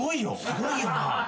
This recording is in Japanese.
すごいよな。